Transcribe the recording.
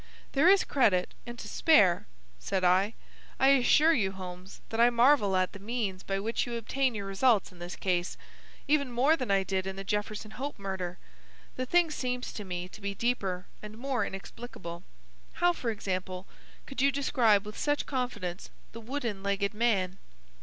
"There is credit, and to spare," said I. "I assure you, Holmes, that I marvel at the means by which you obtain your results in this case, even more than I did in the Jefferson Hope Murder. The thing seems to me to be deeper and more inexplicable. How, for example, could you describe with such confidence the wooden legged man?"